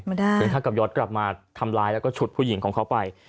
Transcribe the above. ไม่ได้เพราะถ้ากับยศกลับมาทำลายแล้วก็ฉุดผู้หญิงของเขาไป